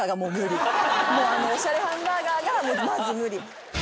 おしゃれハンバーガーがまず無理。